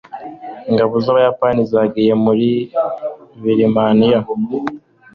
ingabo z'abayapani zagiye muri birmaniya